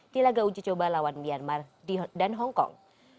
di laga uji coba lawan myanmar dan hong kong